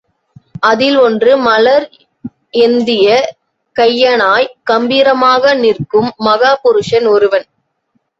அதில் ஒன்று மலர் எந்திய கையனாய் கம்பீரமாக நிற்கும் மகாபுருஷன் ஒருவன்.